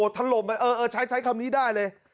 ถล่มใช้คำนี้ได้เลย